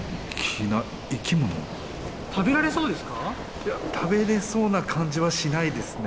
いや食べれそうな感じはしないですね。